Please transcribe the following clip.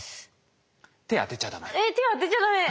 手当てちゃ駄目。